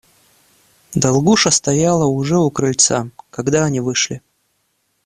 Долгуша стояла уже у крыльца, когда они вышли.